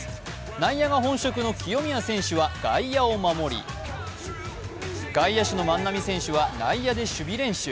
内野が本職の清宮選手は外野を守り、外野手の万波選手は内野で守備練習。